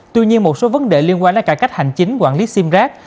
tuy nhiên một số vấn đề liên quan đến cải cách hành chính quản lý simrack